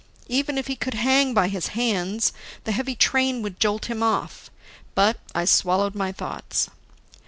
Even if he could hang by his hands, the heavy train would jolt him off. But I swallowed my thoughts.